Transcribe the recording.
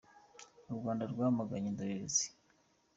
U Rwanda rwamaganye indorerezi